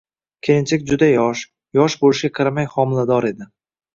Kelinchak juda yosh, yosh bo`lishiga qaramay homilador edi